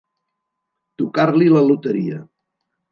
Tocar-li la loteria.